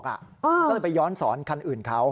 ก็เลยไปย้อนสอนคันอื่นเขา